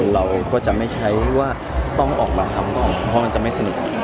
เราก็จะไม่ใช้ว่าต้องออกมาทำก่อนเพราะมันจะไม่สนุก